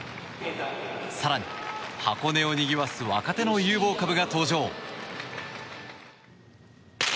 更に、箱根をにぎわす若手の有望株が登場。